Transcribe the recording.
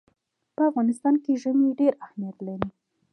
په افغانستان کې ژمی ډېر اهمیت لري.